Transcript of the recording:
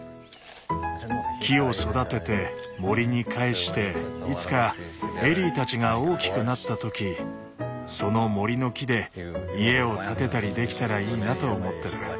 木を育てて森に還していつかエリーたちが大きくなった時その森の木で家を建てたりできたらいいなと思ってる。